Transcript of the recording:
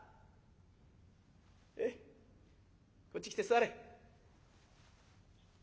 こっち来て座れ」。